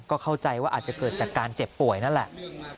ก็เข้าใจว่าอาจจะเกิดจากการเจ็บป่วยนั่นแหละ